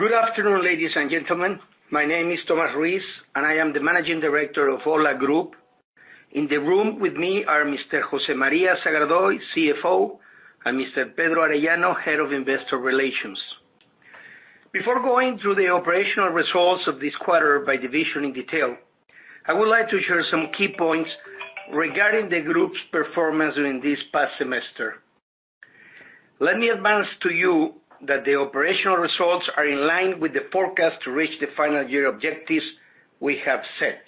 Good afternoon, ladies and gentlemen. My name is Tomas Ruiz, and I am the Managing Director of OHLA. In the room with me are Mr. José María Sagardoy, CFO, and Mr. Pedro Arellano, Head of Investor Relations. Before going through the operational results of this quarter by division in detail, I would like to share some key points regarding the group's performance during this past semester. Let me advance to you that the operational results are in line with the forecast to reach the final year objectives we have set.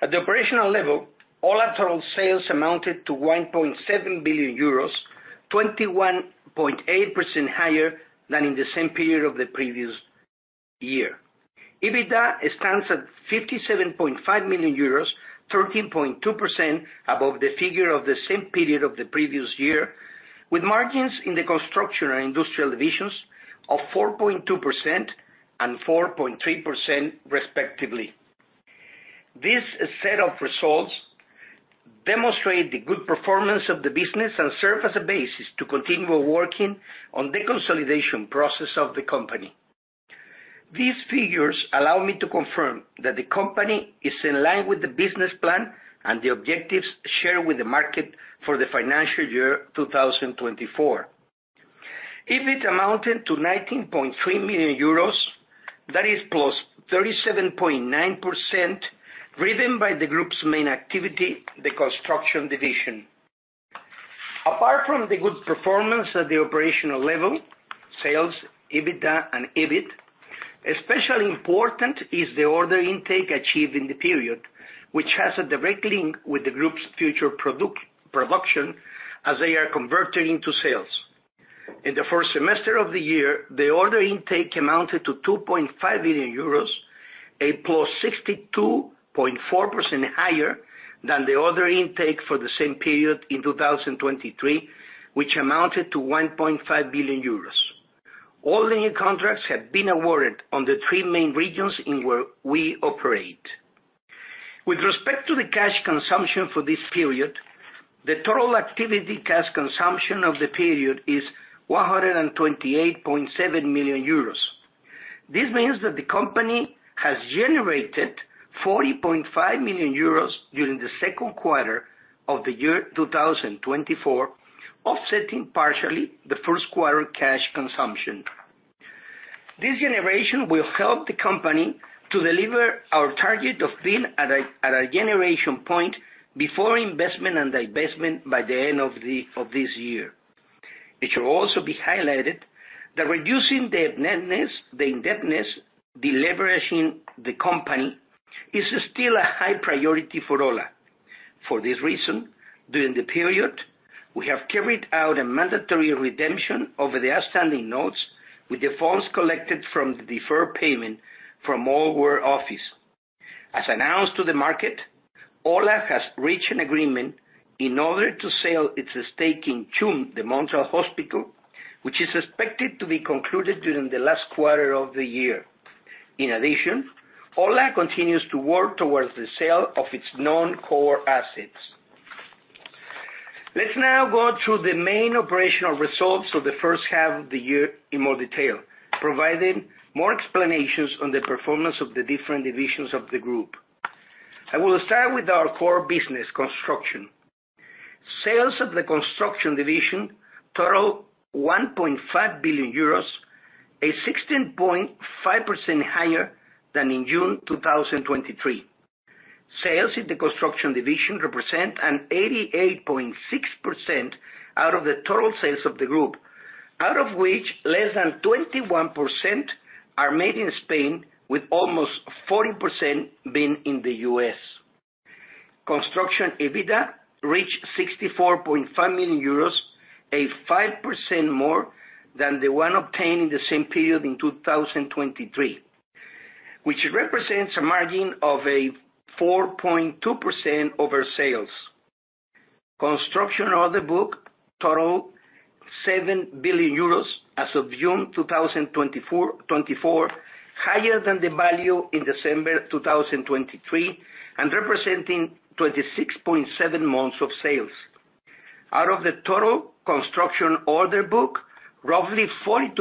At the operational level, OHLA total sales amounted to 1.7 billion euros, 21.8% higher than in the same period of the previous year. EBITDA stands at 57.5 million euros, 13.2% above the figure of the same period of the previous year, with margins in the construction and industrial divisions of 4.2% and 4.3%, respectively. This set of results demonstrates the good performance of the business and serves as a basis to continue working on the consolidation process of the company. These figures allow me to confirm that the company is in line with the business plan and the objectives shared with the market for the financial year 2024. EBITDA amounted to 19.3 million euros, that is, +37.9%, driven by the group's main activity, the construction division. Apart from the good performance at the operational level, sales, EBITDA, and EBIT, especially important is the order intake achieved in the period, which has a direct link with the group's future production as they are converted into sales. In the first semester of the year, the order intake amounted to 2.5 billion euros, a +62.4% higher than the order intake for the same period in 2023, which amounted to 1.5 billion euros. All the new contracts have been awarded on the three main regions in where we operate. With respect to the cash consumption for this period, the total activity cash consumption of the period is 128.7 million euros. This means that the company has generated 40.5 million euros during the second quarter of the year 2024, offsetting partially the first quarter cash consumption. This generation will help the company to deliver our target of being at a generation point before investment and divestment by the end of this year. It should also be highlighted that reducing the indebtedness deleveraging the company is still a high priority for OHLA. For this reason, during the period, we have carried out a mandatory redemption of the outstanding notes with the funds collected from the deferred payment from Old War Office Office. As announced to the market, OHLA has reached an agreement in order to sell its stake in CHUM, the Montreal Hospital, which is expected to be concluded during the last quarter of the year. In addition, OHLA continues to work towards the sale of its non-core assets. Let's now go through the main operational results of the first half of the year in more detail, providing more explanations on the performance of the different divisions of the group. I will start with our core business, construction. Sales of the construction division total 1.5 billion euros, 16.5% higher than in June 2023. Sales in the construction division represent 88.6% out of the total sales of the group, out of which less than 21% are made in Spain, with almost 40% being in the U.S. Construction EBITDA reached 64.5 million euros, a 5% more than the one obtained in the same period in 2023, which represents a margin of a 4.2% over sales. Construction order book totaled 7 billion euros as of June 2024, higher than the value in December 2023 and representing 26.7 months of sales. Out of the total construction order book, roughly 42%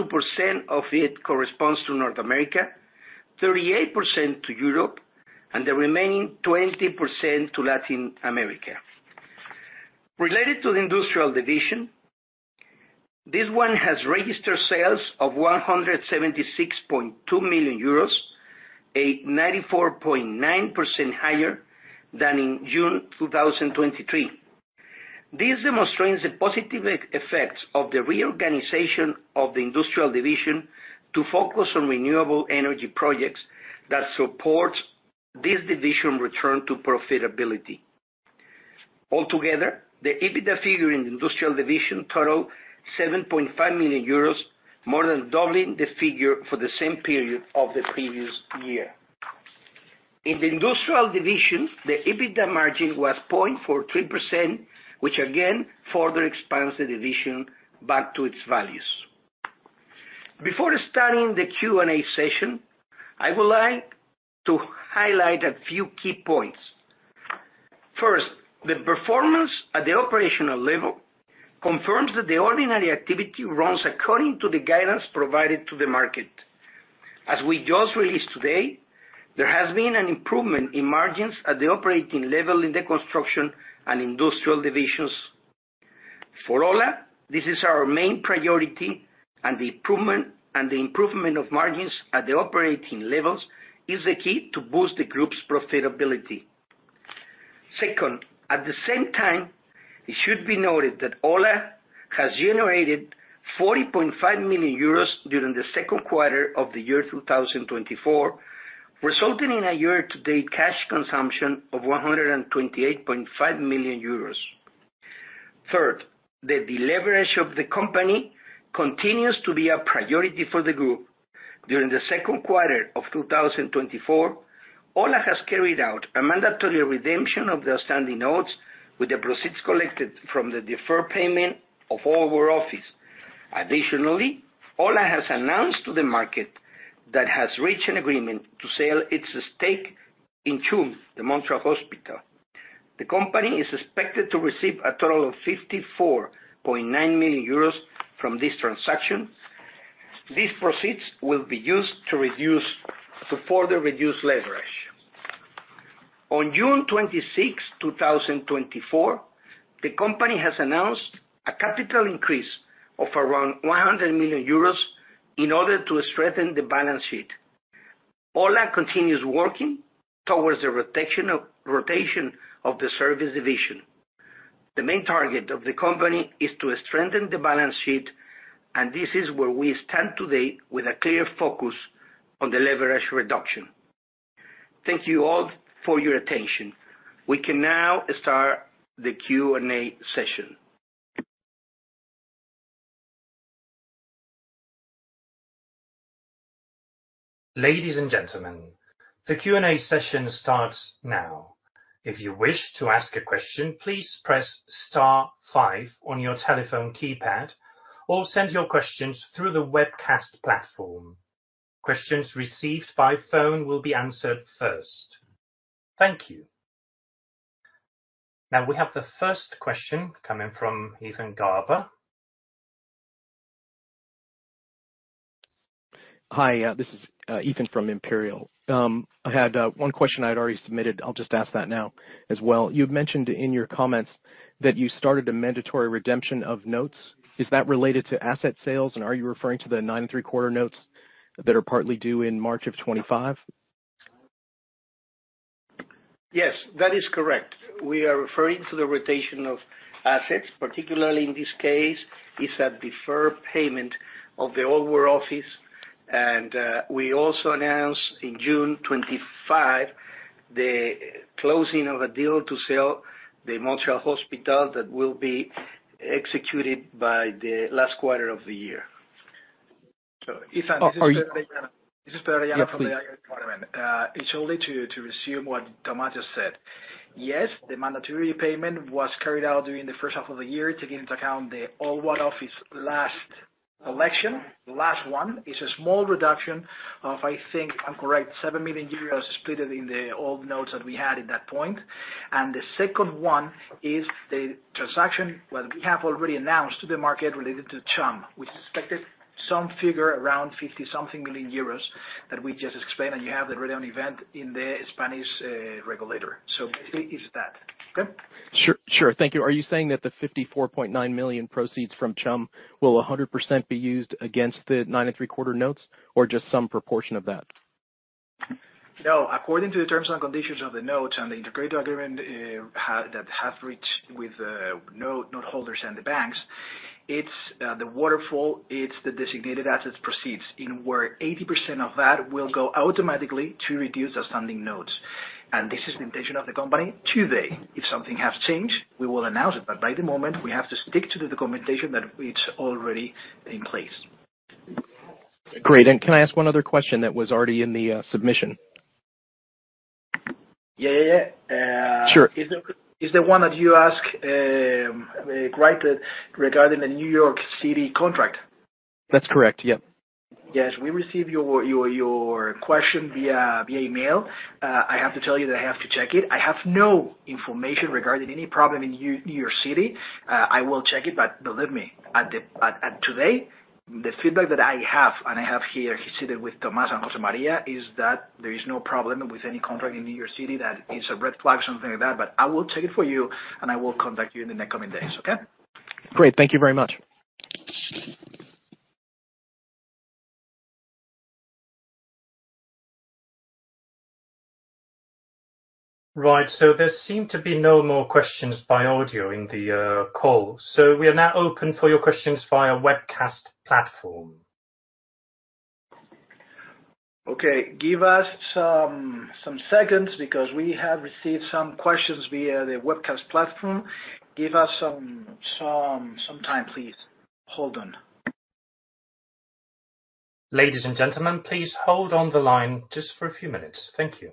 of it corresponds to North America, 38% to Europe, and the remaining 20% to Latin America. Related to the industrial division, this one has registered sales of 176.2 million euros, a 94.9% higher than in June 2023. This demonstrates the positive effects of the reorganization of the industrial division to focus on renewable energy projects that support this division's return to profitability. Altogether, the EBITDA figure in the industrial division totaled 7.5 million euros, more than doubling the figure for the same period of the previous year. In the industrial division, the EBITDA margin was 0.43%, which again further expands the division back to its values. Before starting the Q&A session, I would like to highlight a few key points. First, the performance at the operational level confirms that the ordinary activity runs according to the guidance provided to the market. As we just released today, there has been an improvement in margins at the operating level in the construction and industrial divisions. For OHLA, this is our main priority, and the improvement of margins at the operating levels is the key to boost the group's profitability. Second, at the same time, it should be noted that OHLA has generated 40.5 million euros during the second quarter of the year 2024, resulting in a year-to-date cash consumption of 128.5 million euros. Third, the deleveraging of the company continues to be a priority for the group. During the second quarter of 2024, OHLA has carried out a mandatory redemption of the outstanding notes with the proceeds collected from the deferred payment of our office. Additionally, OHLA has announced to the market that it has reached an agreement to sell its stake in CHUM, the Montreal Hospital. The company is expected to receive a total of 54.9 million euros from this transaction. These proceeds will be used to further reduce leverage. On June 26, 2024, the company has announced a capital increase of around 100 million euros in order to strengthen the balance sheet. OHLA continues working towards the rotation of the service division. The main target of the company is to strengthen the balance sheet, and this is where we stand today with a clear focus on the leverage reduction. Thank you all for your attention. We can now start the Q&A session. Ladies and gentlemen, the Q&A session starts now. If you wish to ask a question, please press Star 5 on your telephone keypad or send your questions through the webcast platform. Questions received by phone will be answered first. Thank you. Now we have the first question coming from Ethan Garber. Hi, this is Ethan from Imperial. I had one question I had already submitted. I'll just ask that now as well. You had mentioned in your comments that you started a mandatory redemption of notes. Is that related to asset sales, and are you referring to the 9.75% notes that are partly due in March of 2025? Yes, that is correct. We are referring to the rotation of assets. Particularly in this case, it's a deferred payment of the Old War Office. We also announced in June 2025 the closing of a deal to sell the Montreal Hospital that will be executed by the last quarter of the year. This is Pedro Arellano from the IR Department. It's only to resume what Tomas just said. Yes, the mandatory payment was carried out during the first half of the year, taking into account the OHLA's outstanding last redemption. The last one is a small reduction of, I think, if I'm correct, 7 million euros split in the old notes that we had at that point. And the second one is the transaction that we have already announced to the market related to CHUM, which is expected some figure around 50-something million euros that we just explained, and you have the readout in the Spanish regulator. So basically, it's that. Okay? Sure. Thank you. Are you saying that the €54.9 million proceeds from CHUM will 100% be used against the 9.75% notes, or just some proportion of that? No. According to the terms and conditions of the notes and the integrated agreement that has reached with the noteholders and the banks, it's the waterfall; it's the designated assets proceeds, in which 80% of that will go automatically to reduce outstanding notes. And this is the intention of the company today. If something has changed, we will announce it. But for the moment, we have to stick to the documentation that it's already in place. Great. Can I ask one other question that was already in the submission? Yeah, yeah, yeah. Sure. Is the one that you asked regarding the New York City contract? That's correct. Yep. Yes. We received your question via email. I have to tell you that I have to check it. I have no information regarding any problem in New York City. I will check it, but believe me, today, the feedback that I have and I have here seated with Tomas and José María is that there is no problem with any contract in New York City that is a red flag or something like that. But I will check it for you, and I will contact you in the next coming days. Okay? Great. Thank you very much. Right. So there seem to be no more questions by audio in the call. So we are now open for your questions via webcast platform. Okay. Give us some seconds because we have received some questions via the webcast platform. Give us some time, please. Hold on. Ladies and gentlemen, please hold on the line just for a few minutes. Thank you.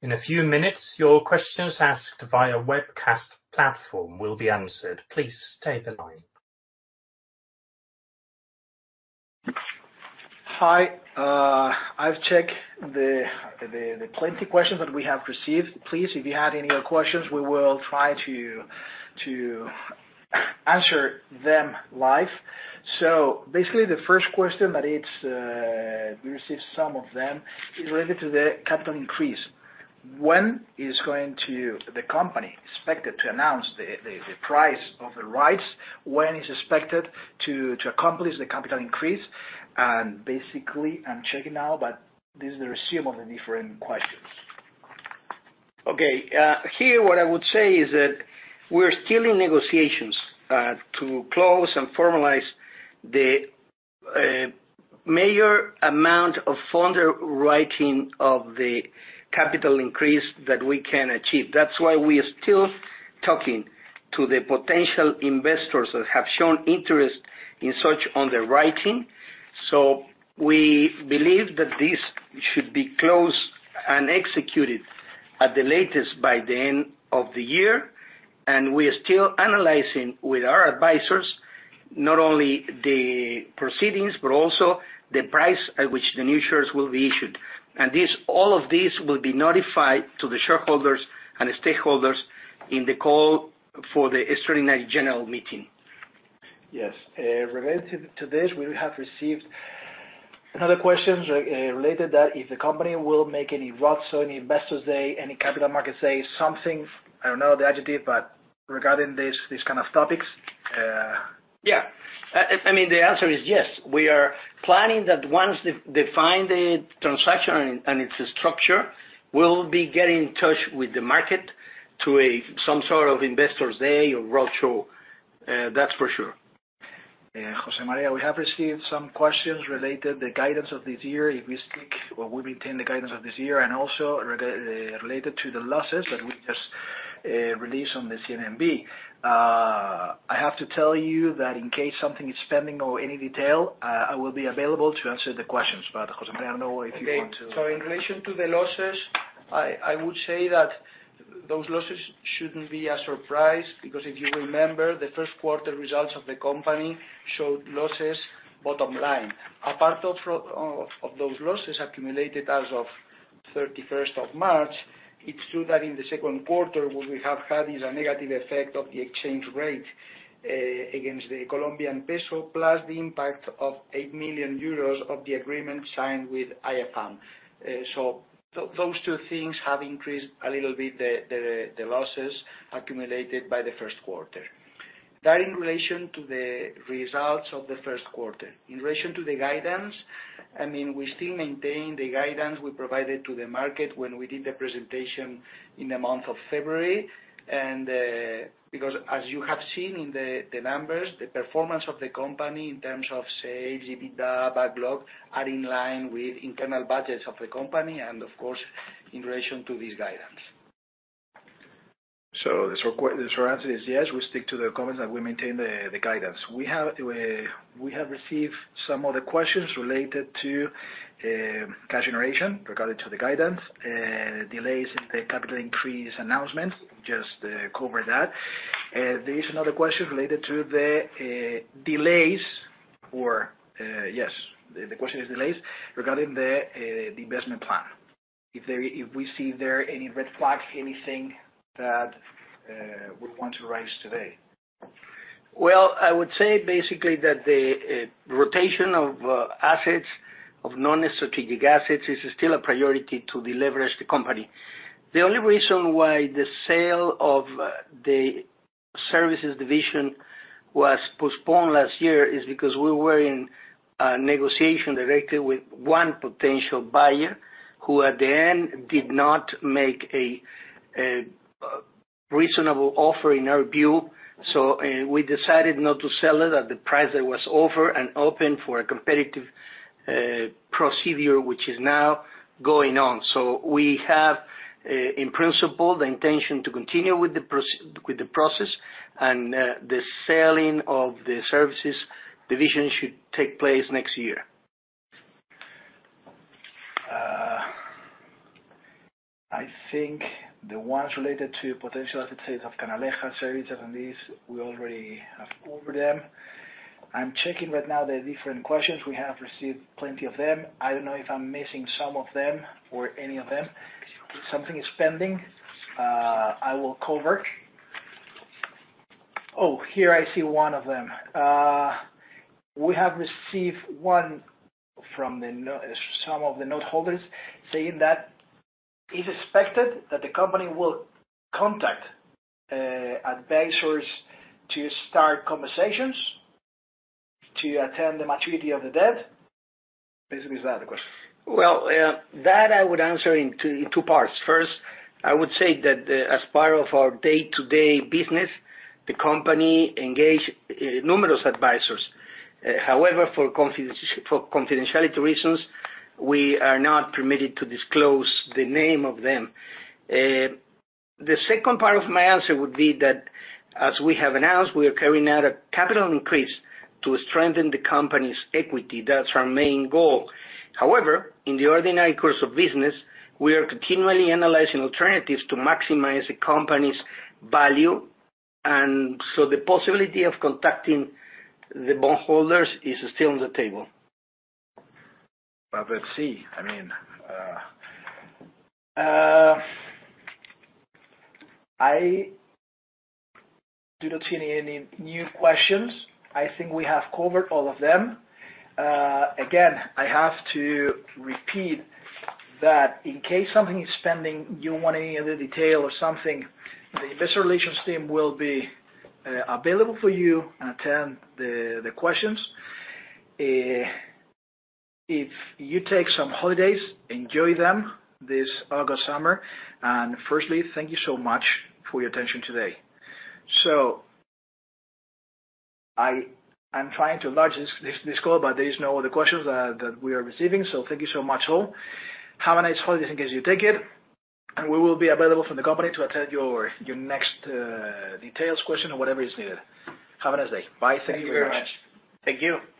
In a few minutes, your questions asked via webcast platform will be answered. Please stay on the line. Hi. I've checked the 20 questions that we have received. Please, if you had any other questions, we will try to answer them live. So basically, the first question that we received some of them is related to the capital increase. When is the company expected to announce the price of the rights? When is expected to accomplish the capital increase? And basically, I'm checking now, but this is the résumé of the different questions. Okay. Here, what I would say is that we're still in negotiations to close and formalize the major amount of underwriting of the capital increase that we can achieve. That's why we are still talking to the potential investors that have shown interest in such underwriting. So we believe that this should be closed and executed at the latest by the end of the year. We are still analyzing with our advisors not only the proceeds, but also the price at which the new shares will be issued. All of these will be notified to the shareholders and stakeholders in the call for the extraordinary general meeting. Yes. Related to this, we have received another question related to that. If the company will make any ROTSO, any Investors Day, any capital market day, something, I don't know the adjective, but regarding these kind of topics. Yeah. I mean, the answer is yes. We are planning that once they find the transaction and its structure, we'll be getting in touch with the market through some sort of Investors Day or ROTSO. That's for sure. José María, we have received some questions related to the guidance of this year, if we stick or we maintain the guidance of this year, and also related to the losses that we just released on the CNMV. I have to tell you that in case something is pending or any detail, I will be available to answer the questions. But José María, I don't know if you want to. So in relation to the losses, I would say that those losses shouldn't be a surprise because if you remember, the first quarter results of the company showed losses bottom line. Apart from those losses accumulated as of 31st of March, it's true that in the second quarter, what we have had is a negative effect of the exchange rate against the Colombian peso, plus the impact of 8 million euros of the agreement signed with IFM. So those two things have increased a little bit the losses accumulated by the first quarter. That in relation to the results of the first quarter. In relation to the guidance, I mean, we still maintain the guidance we provided to the market when we did the presentation in the month of February. Because, as you have seen in the numbers, the performance of the company in terms of sales, EBITDA, backlog, are in line with internal budgets of the company and, of course, in relation to this guidance. So the short answer is yes, we stick to the comments that we maintain the guidance. We have received some other questions related to cash generation regarding the guidance, delays in the capital increase announcement. Just cover that. There is another question related to the delays or yes, the question is delays regarding the investment plan. If we see there any red flag, anything that we want to raise today. Well, I would say basically that the rotation of assets, of non-strategic assets, is still a priority to deleverage the company. The only reason why the sale of the services division was postponed last year is because we were in negotiation directly with one potential buyer who at the end did not make a reasonable offer in our view. So we decided not to sell it at the price that was offered and open for a competitive procedure, which is now going on. So we have, in principle, the intention to continue with the process, and the selling of the services division should take place next year. I think the ones related to potential asset sales of Canalejas, Services and these, we already have covered them. I'm checking right now the different questions. We have received plenty of them. I don't know if I'm missing some of them or any of them. If something is pending, I will cover. Oh, here I see one of them. We have received one from some of the noteholders saying that it's expected that the company will contact advisors to start conversations to attend the maturity of the debt. Basically, is that the question? Well, that I would answer in two parts. First, I would say that as part of our day-to-day business, the company engaged numerous advisors. However, for confidentiality reasons, we are not permitted to disclose the name of them. The second part of my answer would be that, as we have announced, we are carrying out a capital increase to strengthen the company's equity. That's our main goal. However, in the ordinary course of business, we are continually analyzing alternatives to maximize the company's value. And so the possibility of contacting the bondholders is still on the table. Let's see. I mean. I do not see any new questions. I think we have covered all of them. Again, I have to repeat that in case something is pending, you want any other detail or something, the investor relations team will be available for you and attend the questions. If you take some holidays, enjoy them this August summer. Firstly, thank you so much for your attention today. I'm trying to nudge this call, but there are no other questions that we are receiving. Thank you so much all. Have a nice holiday in case you take it. We will be available from the company to attend your next details, questions, or whatever is needed. Have a nice day. Bye. Thank you very much. Thank you.